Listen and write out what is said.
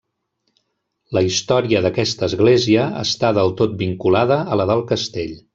La història d'aquesta església està del tot vinculada a la del castell.